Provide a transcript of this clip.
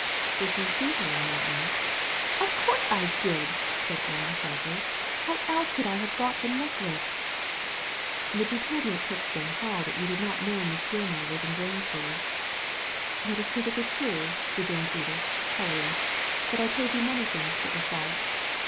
*" Did you see her on that night ?" "Of course I didl" said Edith, sharply. "How .else could I have got the necklace ?" But you told me at Kirkstone Hall that you did not know Miss Gilmar was in Grangebury." ••That is perfectly true," rejoined Edith, colour ing ;" but I told you many things that were false.